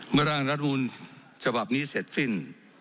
เมื่้อนร่างรัฐบุญฉบับนี้เสร็จสิ้น